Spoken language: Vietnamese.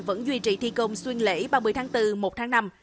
vẫn duy trì thi công xuyên lễ ba mươi tháng bốn một tháng năm